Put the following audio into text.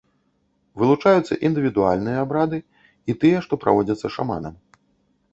Вылучаюцца індывідуальныя абрады і тыя, што праводзяцца шаманам.